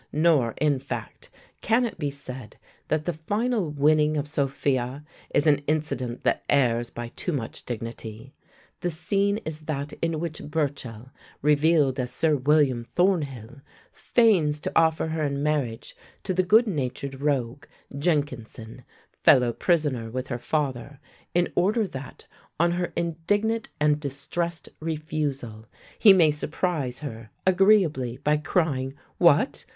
Nor, in fact, can it be said that the final winning of Sophia is an incident that errs by too much dignity. The scene is that in which Burchell, revealed as Sir William Thornhill, feigns to offer her in marriage to the good natured rogue, Jenkinson, fellow prisoner with her father, in order that, on her indignant and distressed refusal, he may surprise her agreeably by crying, "What?